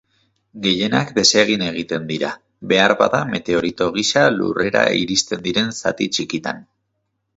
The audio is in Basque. Gehienak desegin egiten dira, beharbada meteorito gisa lurrera iristen diren zati txikitan.